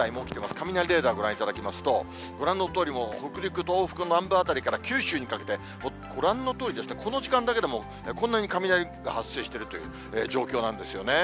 雷レーダーをご覧いただきますと、ご覧のとおり、北陸、東北南部辺りから九州にかけて、ご覧のとおり、この時間だけでも、こんなに雷が発生しているという状況なんですよね。